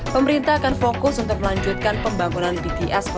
pemerintah akan fokus untuk melanjutkan pembangunan bts